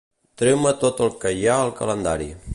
Treu-me tot el que hi ha al calendari.